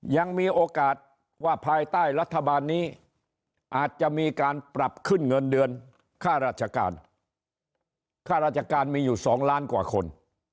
ยังมีโอกาสว่าภายใต้รัฐบาลนี้อาจจะมีการปรับขึ้นเงินเดือนค่าราชการค่าราชการมีอยู่๒ล้านกว่าคน